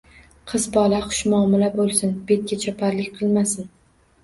Qiz bola xushmuomala bo‘lsin, betgachoparlik qilmasin.